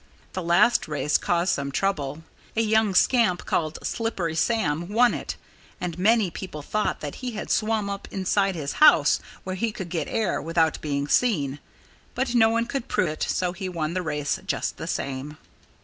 That last race caused some trouble. A young scamp called Slippery Sam won it. And many people thought that he had swum up inside his house, where he could get air, without being seen. But no one could prove it; so he won the race, just the same.